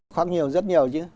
khác nhiều rất nhiều chứ